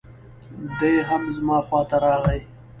دی هم زما خواته راغی.